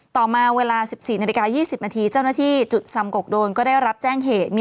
ต่อมาเวลา๑๔นาฬิกา๒๐นาทีเจ้าหน้าที่จุดซำกกโดนก็ได้รับแจ้งเหตุ